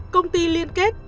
công ty liên kết